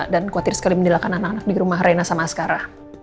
dan khawatir sekali mendilakan anak anak di rumah reina sama asgara